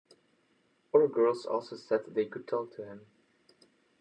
Other girls also said they could talk to him.